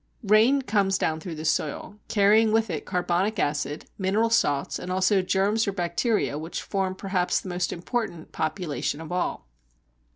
Rain comes down through the soil, carrying with it carbonic acid, mineral salts, and also germs or bacteria, which form perhaps the most important population of all.